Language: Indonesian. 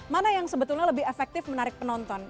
mana yang sebetulnya lebih efektif menarik penonton